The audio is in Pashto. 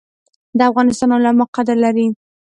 د افغانستان علما قدر لري